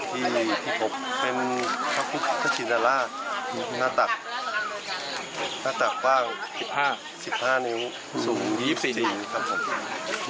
ที่ผมเป็นพระพุทธชินราชหน้าตักว่าง๑๕นิ้วสูง๒๔นิ้วครับผม